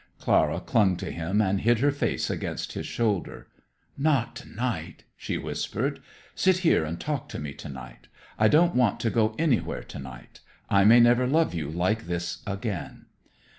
Clara clung to him and hid her face against his shoulder. "Not to night," she whispered. "Sit here and talk to me to night. I don't want to go anywhere to night. I may never love you like this again."